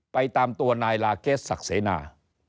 ตามตัวนายลาเกสศักดิ์เสนา